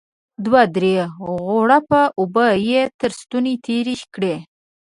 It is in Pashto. دوه درې غوړپه اوبه يې تر ستوني تېرې کړې.